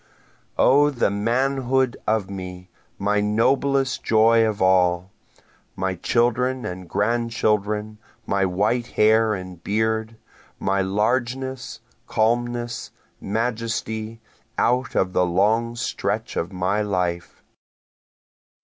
O the old manhood of me, my noblest joy of all! My children and grand children, my white hair and beard, My largeness, calmness, majesty, out of the long stretch of my life.